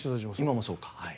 今もそうか。